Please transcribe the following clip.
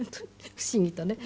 不思議とね。